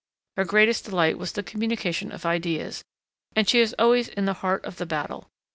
Her greatest delight was the communication of ideas, and she is always in the heart of the battle.